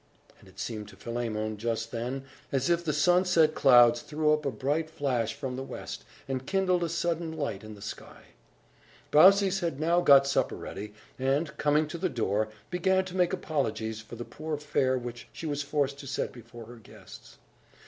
And it seemed to Philemon, just then, as if the sunset clouds threw up a bright flash from the west, and kindled a sudden light in the sky. Baucis had now got supper ready, and, coming to the door, began to make apologies for the poor fare which she was forced to set before her guests.